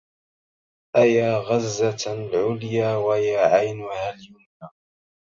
أيا غرة العليا ويا عينها اليمنى